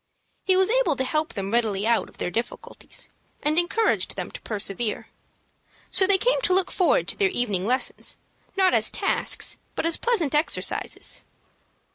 He was able to help them readily out of their difficulties, and encouraged them to persevere. So they came to look forward to their evening lessons not as tasks, but as pleasant exercises.